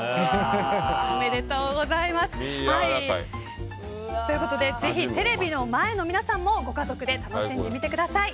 おめでとうございます。ということでぜひテレビの前の皆さんもご家族で楽しんでみてください。